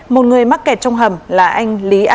một người mắc kẹt trong hầm là anh lý a